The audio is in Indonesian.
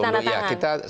surat yang ditandatangan